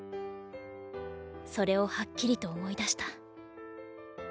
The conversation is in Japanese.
それをはっきりと思い出した。